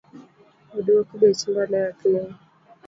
Oduok bech mbolea piny